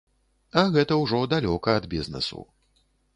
А гэта ўжо далёка ад бізнэсу.